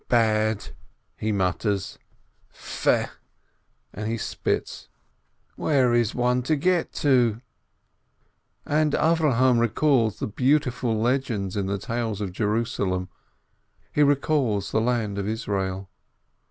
"Bad!" he mutters. "Fe!" and he spits. "Where is one to get to?" And Avrohom recalls the beautiful legends in the Tales of Jerusalem, he recalls the land of Israel.